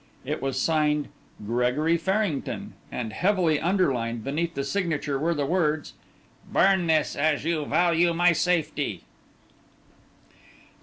It was signed "Gregory Farrington," and heavily underlined beneath the signature were the words, "Burn this, as you value my safety."